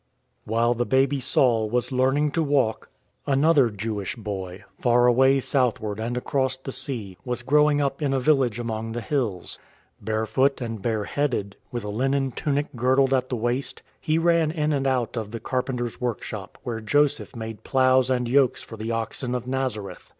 While the baby Saul was learning to walk, another TRIBE OF THE YOUNGEST SON 27 Jewish Boy — far away southward and across the sea — was growing up in a village among the hills. Bare foot and bareheaded, with a linen tunic girdled at the waist, He ran in and out of the carpenter's workshop where Joseph made ploughs and yokes for the oxen of Nazareth.